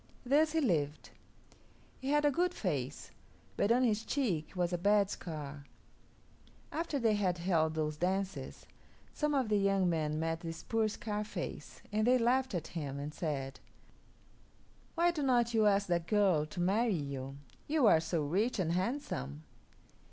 Thus he lived. He had a good face, but on his cheek was a bad scar. After they had held those dances, some of the young men met this poor Scarface, and they laughed at him and said, "Why do not you ask that girl to marry you? You are so rich and handsome."